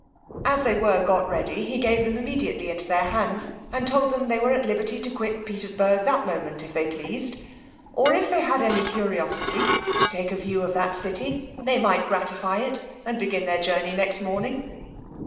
As they were got ready, he gave them immediately into their hands, and told them, they were at liberty to quit Petersburg that moment, if they pleased; or if they had any curiosity to take a view of that city, they might gratify it, and begin their journey next morning.